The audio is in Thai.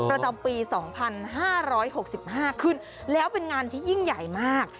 ประจำปีสองพันห้าร้อยหกสิบห้าขึ้นแล้วเป็นงานที่ยิ่งใหญ่มาก